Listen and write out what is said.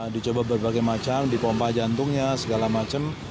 dicoba berbagai macam dipompa jantungnya segala macam